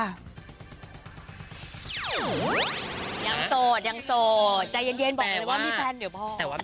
ยังโสดยังโสดใจเย็นบอกเลยว่ามีแฟนเดี๋ยวพ่อ